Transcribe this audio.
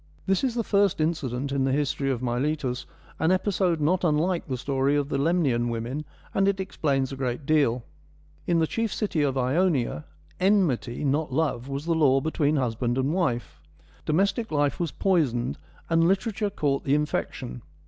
This is the first incident in the history of Miletus, an episode not unlike the story of the Lemnian women, and it explains a great deal. In the chief city of Ionia, enmity, not love, was the law between husband and wife. Domestic life was poisoned, and literature caught the infection.